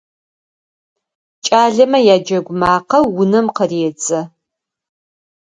КӀалэмэ яджэгу макъэ унэм къыредзэ.